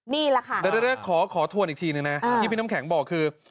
นี่แหละค่ะแต่แรกขอทวนอีกทีนึงนะที่พี่น้ำแข็งบอกคือ